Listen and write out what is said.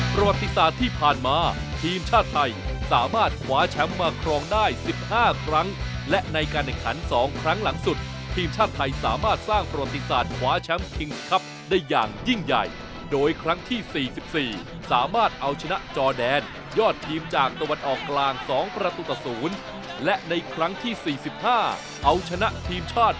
ประวัติศาสตร์ที่ผ่านมาทีมชาติไทยสามารถคว้าแชมป์มาครองได้๑๕ครั้งและในการแข่งขัน๒ครั้งหลังสุดทีมชาติไทยสามารถสร้างประวัติศาสตร์ขวาแชมป์คิงส์ครับได้อย่างยิ่งใหญ่โดยครั้งที่๔๔สามารถเอาชนะจอแดนยอดทีมจากตะวันออกกลาง๒ประตูต่อ๐และในครั้งที่๔๕เอาชนะทีมชาติ